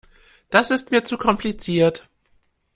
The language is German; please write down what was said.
Das ist mir zu kompliziert.